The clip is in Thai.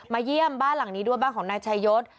เยี่ยมบ้านหลังนี้ด้วยบ้านของนายชายศ